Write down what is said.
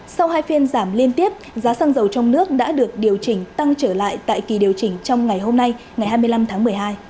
sau hai phiên giảm liên tiếp giá xăng dầu trong nước đã được điều chỉnh tăng trở lại tại kỳ điều chỉnh trong ngày hôm nay ngày hai mươi năm tháng một mươi hai